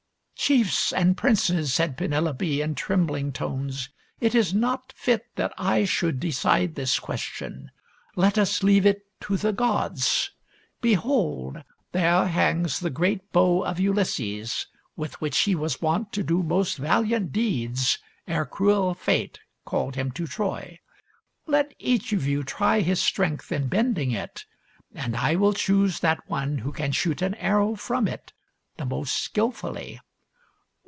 " Chiefs and princes," said Penelope, in trembling tones, " it is not fit that I should decide this ques tion. Let us leave it to the gods. Behold, there hangs the great bow of Ulysses with which he was wont to do "most valiant deeds ere cruel fate called him to Troy. Let each of you try his strength in bending it, and I will choose that one who can shoot an arrow from it the most skillfully."